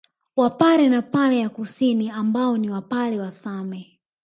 Wapare wa Pare ya Kusini ambao ni Wapare wa Same